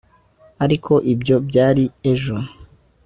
ariko ibyo byari ejo